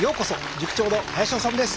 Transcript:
塾長の林修です。